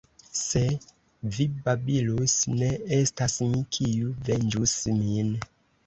Se vi babilus, ne estas mi, kiu venĝus min.